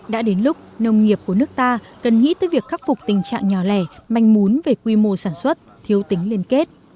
đã đến lúc nông nghiệp của nước ta cần nghĩ tới việc khắc phục tình trạng nhỏ lẻ manh mún về quy mô sản xuất thiếu tính liên kết